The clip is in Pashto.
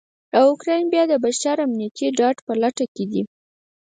اوکرایین بیا دبشپړامنیتي ډاډ په لټه کې دی.